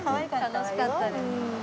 楽しかったです。